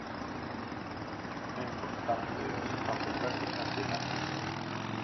A importancia dos espazos verdes nas cidades.